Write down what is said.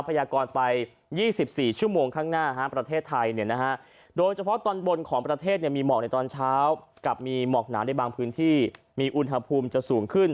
พยากรไป๒๔ชั่วโมงข้างหน้าประเทศไทยโดยเฉพาะตอนบนของประเทศมีหมอกในตอนเช้ากับมีหมอกหนาในบางพื้นที่มีอุณหภูมิจะสูงขึ้น